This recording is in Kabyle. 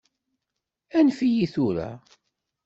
Anef-iyi tura!